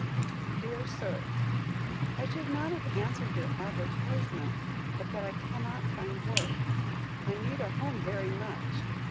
"DEAR SIR, "I should not have answered your advertisement, but that I cannot find work. I need a home very much.